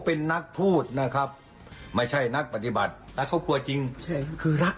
พูดแบบนี้ต่อหน้าพี่มถมีงานเข้าน่าร้อยแน่นอน